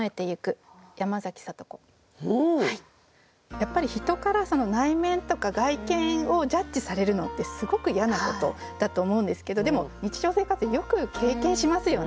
やっぱり人から内面とか外見をジャッジされるのってすごく嫌なことだと思うんですけどでも日常生活でよく経験しますよね。